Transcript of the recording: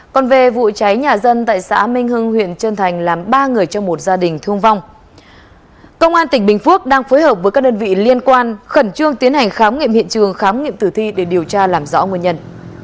công an tỉnh bình phuốc đang phối hợp với các đơn vị liên quan khẩn trương tiến hành khám nghiệm hiện trường khám nghiệm tử thi để điều tra làm rõ nguyên nhân